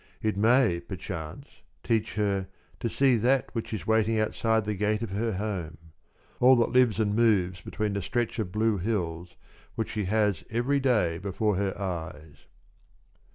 It may perchance teach her to see that which is waiting outside the gate of her home all that lives and moves between the stretch of blue hills which she has every day before her eyes."